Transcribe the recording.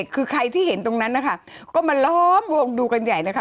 คือใครที่เห็นตรงนั้นนะคะก็มาล้อมวงดูกันใหญ่เลยค่ะ